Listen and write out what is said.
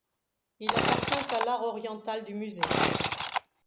Il appartient à l'art oriental du musée.